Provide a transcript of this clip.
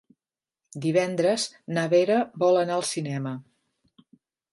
Divendres na Vera vol anar al cinema.